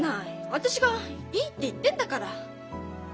私がいいって言ってんだから。